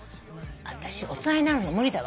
私大人になるの無理だわ。